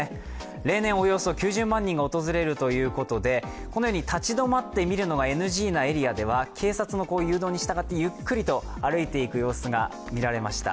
例年およそ９０万人が訪れるということでこのように立ち止まってみるのがＮＧのエリアでは警察の誘導に従ってゆっくりと歩いていく様子が見られました。